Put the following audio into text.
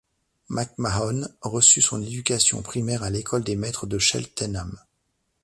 MacMahon reçut son éducation primaire à l'école des maîtres de Cheltenham.